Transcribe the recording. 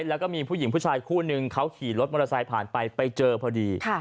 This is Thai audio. แล้วก็มีผู้หญิงผู้ชายคู่นึงเขาขี่รถมอเตอร์ไซค์ผ่านไปไปเจอพอดี